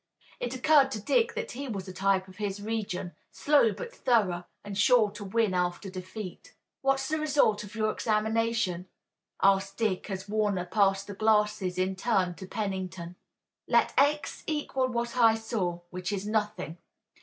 It occurred to Dick that he was a type of his region, slow but thorough, and sure to win after defeat. "What's the result of your examination?" asked Dick as Warner passed the glasses in turn to Pennington. "Let x equal what I saw, which is nothing.